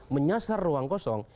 menyasar ruang kosong